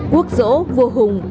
quốc dỗ vua hùng